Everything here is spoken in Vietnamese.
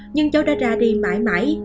nhưng cháu đã ra đi mãi mãi